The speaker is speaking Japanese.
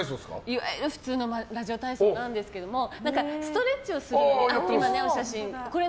いわゆる普通のラジオ体操なんですけどもストレッチをするというか。